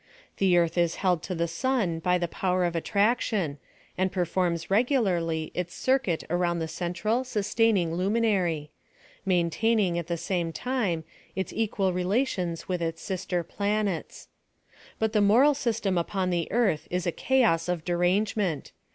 The earth is held to the sun by the power of attraction, and performs regularly its circuit around the central, suytainmg luminary; maintaining, at the same time, its equal relations with its sister planets. But the moral system upon the earth is a chaos of derangement.